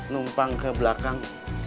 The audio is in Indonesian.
numpang ke belakang